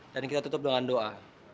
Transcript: dan kita tutup dengan doa